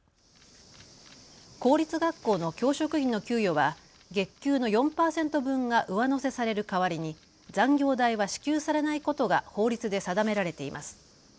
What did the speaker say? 公立学校の教職員の給与は月給の４％分が上乗せされる代わりに残業代は支給されないことが法律で定められています。